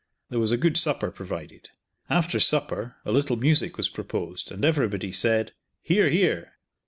There was a good supper provided. After supper a little music was proposed, and everybody said, "Hear! hear!"